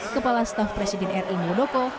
kepala staf presiden ri muldoko